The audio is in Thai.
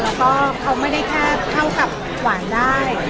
แล้วก็เขาไม่ได้แค่เข้ากับหวานได้